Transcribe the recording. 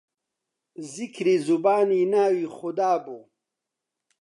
زیکری زوبانی ناوی خودابوو